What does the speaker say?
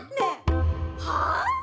はあ？